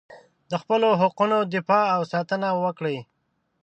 د خپلو حقونو دفاع او ساتنه وکړئ.